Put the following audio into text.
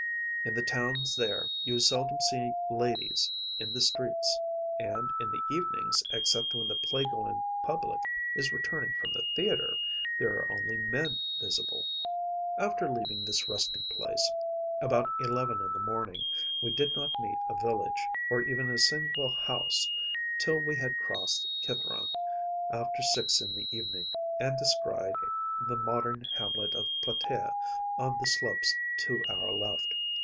In the towns there you seldom see ladies in the streets; and in the evenings, except when the play going public is returning from the theatre, there are only men visible. After leaving this resting place, about eleven in the morning, we did not meet a village, or even a single house till we had crossed Cithæron, after six in the evening, and descried the modern hamlet of Platæa on the slopes to our left.